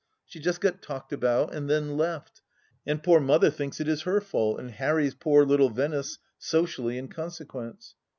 She just got talked about and then " left," and poor Mother thinks it is her fault, and harries poor little Venice socially in consequence.